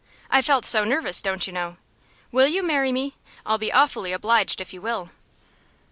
I felt so nervous, don't you know? Will you marry me? I'll be awfully obliged if you will."